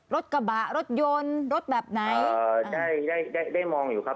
รถกระบะรถยนต์รถแบบไหนเอ่อได้ได้ได้ได้ได้มองอยู่ครับ